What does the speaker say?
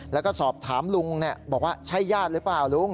แล้วก็สอบถามลุงบอกว่าใช่ญาติหรือเปล่าลุง